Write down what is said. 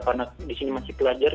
karena disini masih pelajar